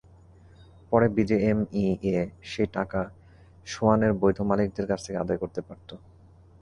পরে বিজিএমইএ সেই টাকা সোয়ানের বৈধ মালিকদের কাছ থেকে আদায় করতে পারত।